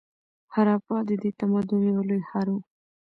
هراپا د دې تمدن یو لوی ښار و.